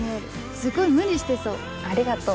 すごい無理してそう。